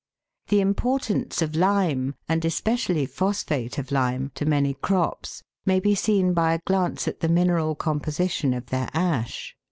The importance of lime and especially phosphate of lime to many crops may be seen by a glance at the mineral composition of their ash.